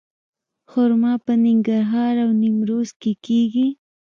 خرما په ننګرهار او نیمروز کې کیږي.